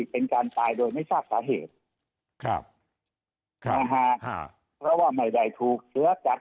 เป็นการตายโดยไม่ทราบสาเหตุครับนะฮะเพราะว่าไม่ได้ถูกเชื้อกัด